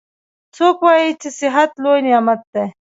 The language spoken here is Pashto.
څوک وایي چې صحت لوی نعمت ده